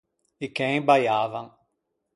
I chen baiavan.